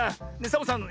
サボさん